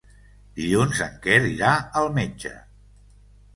Dilluns en Quer irà al metge.